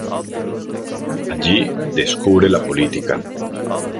Allí descubre la política.